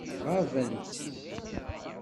Ɣabent.